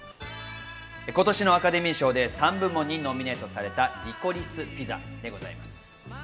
今年のアカデミー賞で３部門にノミネートされた『リコリス・ピザ』。